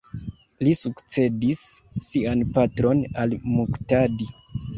Li sukcedis sian patron al-Muktadi.